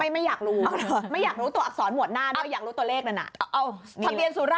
ไม่อยากรู้